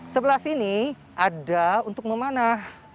sebelah sini ada untuk memanah